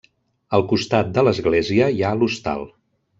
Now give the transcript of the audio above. Al costat de l'església hi ha l'Hostal.